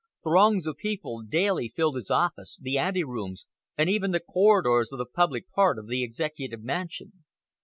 Throngs of people daily filled his office, the ante rooms, and even the corridors of the public part of the Executive Mansion.